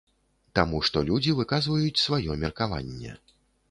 Таму што людзі выказваюць сваё меркаванне.